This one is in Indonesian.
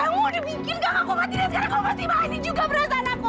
kamu udah bikin kakak aku mati dan sekarang kau pasti malah ini juga perasaan aku